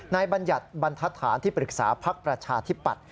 นายบรรยัติบรรทธานที่ปรึกษาพักประชาธิปัตธ์